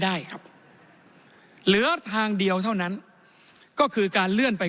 ได้ครับเหลือทางเดียวเท่านั้นก็คือการเลื่อนไป